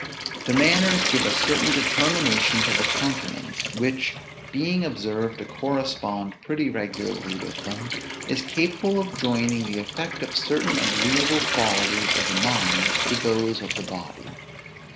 The manners give a certain determination to the countenance; which, being observed to correspond pretty regularly with them, is capable of joining the effect of certain agreeable qualities of the mind to those of the body.